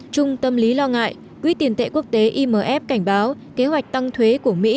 trung tâm lý lo ngại quỹ tiền tệ quốc tế imf cảnh báo kế hoạch tăng thuế của mỹ